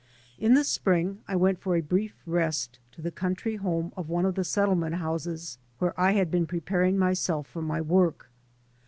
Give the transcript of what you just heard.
In the spring I went for a brief rest to the country home of one of the settlement houses where I bad been preparing myself for my work.